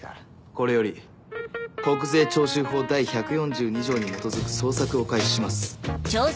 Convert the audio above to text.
これより国税徴収法第１４２条に基づく捜索を開始します。